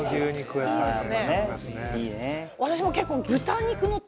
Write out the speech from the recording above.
私も結構。